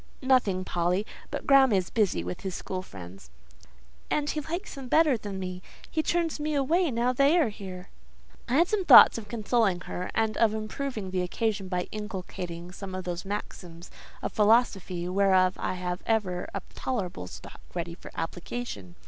"Nothing, Polly; but Graham is busy with his school friends." "And he likes them better than me! He turns me away now they are here!" I had some thoughts of consoling her, and of improving the occasion by inculcating some of those maxims of philosophy whereof I had ever a tolerable stock ready for application.